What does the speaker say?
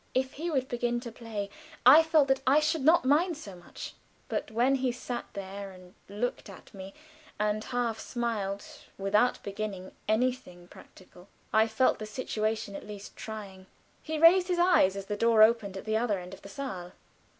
If he would but begin to play I felt that I should not mind so much; but when he sat there and looked at me and half smiled, without beginning anything practical, I felt the situation at least trying. He raised his eyes as the door opened at the other end of the saal.